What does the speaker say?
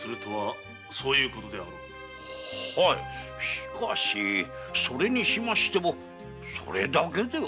しかしそれにしましてもそれだけでは？